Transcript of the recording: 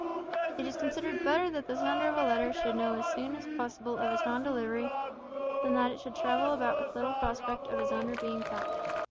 It is considered better that the sender of a letter should know as soon as possible of its non delivery, than that it should travel about with little prospect of its owner being found.